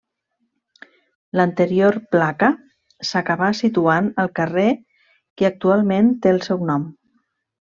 L'anterior placa s'acabà situant al carrer que actualment té el seu nom.